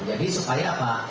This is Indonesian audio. jadi supaya apa